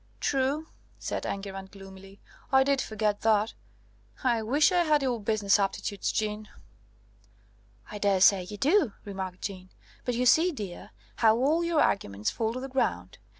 "True," said Enguerrand gloomily: "I did forget that. I wish I had your business aptitudes, Jeanne." "I daresay you do," remarked Jeanne. "But you see, dear, how all your arguments fall to the ground.